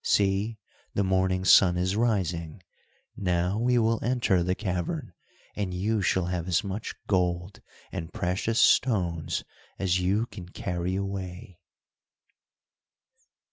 See, the morning sun is rising. Now we will enter the cavern, and you shall have as much gold and precious stones as you can carry away."